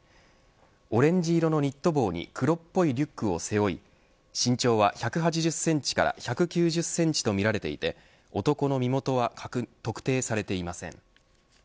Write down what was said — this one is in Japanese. オレンジ色のニット帽に黒っぽいリュックを背負い身長は１８０センチから１９０センチとみられていて男の身元は特定されていません。